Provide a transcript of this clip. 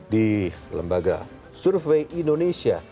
di lembaga survei indonesia